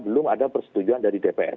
belum ada persetujuan dari dpr